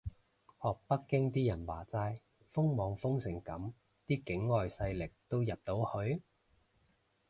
學北京啲人話齋，封網封成噉啲境外勢力都入到去？